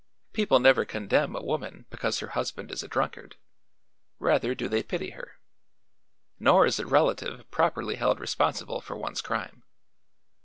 People never condemn a woman because her husband is a drunkard; rather do they pity her. Nor is a relative properly held responsible for one's crime.